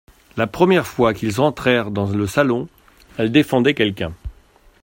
La première fois qu'ils entrèrent dans le salon, elle défendait quelqu'un.